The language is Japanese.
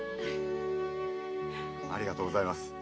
ありがとうございます。